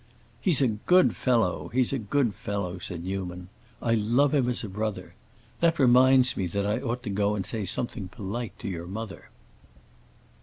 "He's a good fellow, he's a good fellow," said Newman. "I love him as a brother. That reminds me that I ought to go and say something polite to your mother."